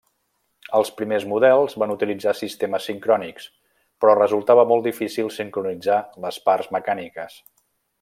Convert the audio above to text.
Els primers models van utilitzar sistemes sincrònics, però resultava molt difícil sincronitzar les parts mecàniques.